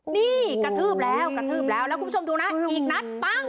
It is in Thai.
นี่กระทืบแล้วกระทืบแล้วแล้วคุณผู้ชมดูน่ะ